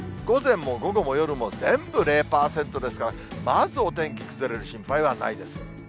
午前も午後も夜も全部０％ですから、まずお天気崩れる心配はないです。